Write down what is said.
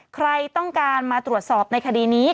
ใครต้องการมาตรวจสอบในคดีนี้